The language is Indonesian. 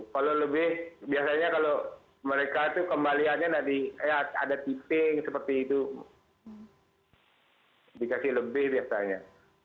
kalau lebih biasanya kalau mereka kembaliannya ada titik seperti itu dikasih lebih biasanya